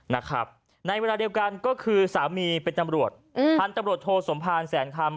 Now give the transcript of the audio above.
ในเวลาเดียวกันก็คือสามีเป็นนำรวจพันธุ์นำรวจโทสมภาณแสนคำ